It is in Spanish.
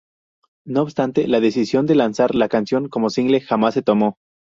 No obstante, la decisión de lanzar la canción como single jamás se tomó.